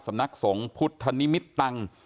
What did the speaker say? สำนักสงฆ์พุทธนิมิตตัง